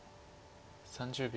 ３０秒。